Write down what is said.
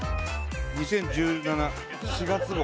「２０１７４月号」